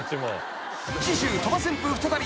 ［次週鳥羽旋風再び。